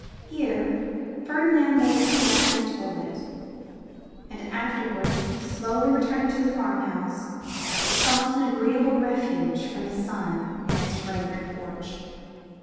Here Ferdinand made his natural toilet; and afterwards slowly returning to the farm house, sought an agreeable refuge from the sun in its fragrant porch.